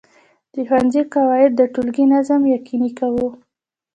د ښوونځي قواعد د ټولګي نظم یقیني کاوه.